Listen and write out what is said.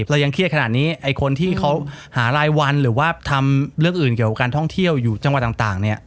เรายังเครียดขนาดนี้ไอ้คนที่เขาหารายวันหรือว่าทำเรื่องอื่นเกี่ยวกับการท่องเที่ยวอยู่จังหวัดต่างเนี่ย